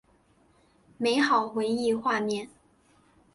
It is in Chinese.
美好回忆画面